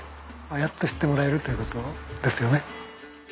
やっと知ってもらえるということですよね。